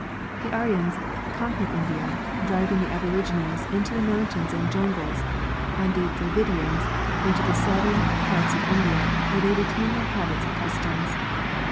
The Aryans conquered India, driving the aborig ines into the mountains and jungles and the Dravidians into the southern parts of India, where they retain their habits and cus toms.